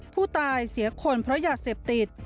ผู้ตายเสียคนเพราะหยาดเสพติด